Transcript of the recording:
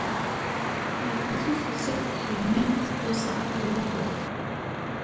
له پنځوسو زیات بهرنیان یو ساعت ولاړ وو.